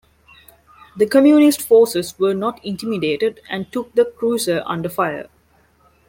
The Communist forces were not intimidated and took the cruiser under fire.